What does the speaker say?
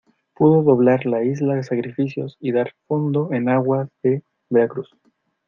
pudo doblar la Isla de Sacrificios y dar fondo en aguas de Veracruz.